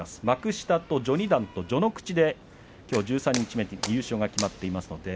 幕下と序二段と序ノ口できょう優勝が決まっています。